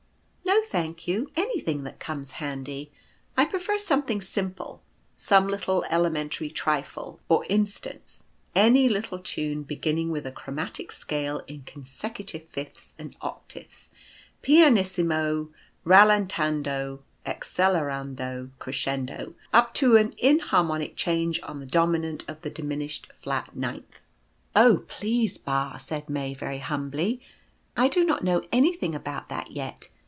"No, thank you; anything that comes handy. I prefer something simple — some little elementary trifle, as, for instance, any little tune beginning with a chro matic scale in consecutive fifths and octaves, pianissimo — rallentando — excellerando — crescendo — up to an in harmonic change on the dominant of the diminished flat ninth." 176 The Simple Ttine. "Oh, please, Ba," said May, very humbly, "I do not know anything about that yet.